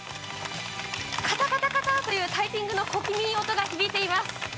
カタカタというタイピングの小気味いい音が響いています。